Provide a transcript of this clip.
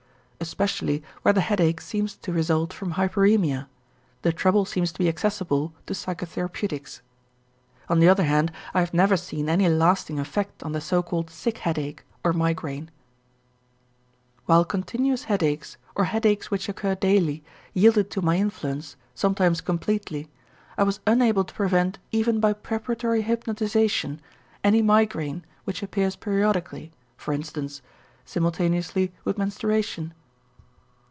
Especially where the headache seems to result from hyperæmia, the trouble seems to be accessible to psychotherapeutics. On the other hand I have never seen any lasting effect on the so called sick headache or migraine. While continuous headaches or headaches which occur daily yielded to my influence, sometimes completely, I was unable to prevent even by preparatory hypnotization any migraine which appears periodically, for instance, simultaneously with menstruation.